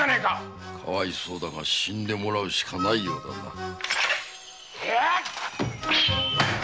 かわいそうだが死んでもらうしかないようだな。